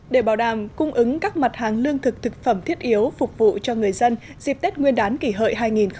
để bảo đảm cung ứng các mặt hàng lương thực thực phẩm thiết yếu phục vụ cho người dân dịp tết nguyên đán kỷ hợi hai nghìn một mươi chín